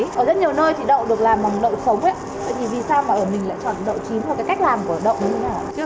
ở rất nhiều nơi thì đậu được làm bằng đậu sống ấy vì sao mà ở mình lại chọn đậu chín hoặc cái cách làm của đậu như thế nào